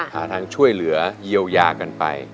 หาทางช่วยเหลือเยียวยากันไป